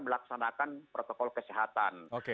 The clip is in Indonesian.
melaksanakan protokol kesehatan